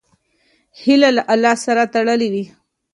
هیله له الله سره تړلې وي.